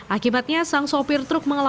akibatnya sang sopir truk mengalami